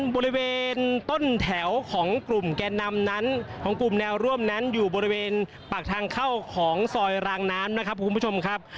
บริเวณต้นแถวของกลุ่มแกนนำนั้นของกลุ่มแนวร่วมนั้นอยู่บริเวณปากทางเข้าของซอยรางน้ำนะครับคุณผู้ชมครับ